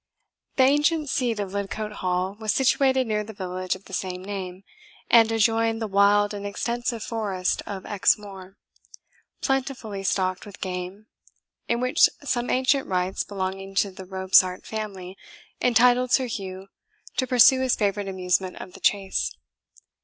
The ancient seat of Lidcote Hall was situated near the village of the same name, and adjoined the wild and extensive forest of Exmoor, plentifully stocked with game, in which some ancient rights belonging to the Robsart family entitled Sir Hugh to pursue his favourite amusement of the chase.